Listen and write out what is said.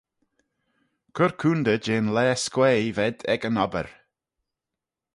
Cur coontey jeh'n laa s'quaaee v'ayd ec yn obbyr.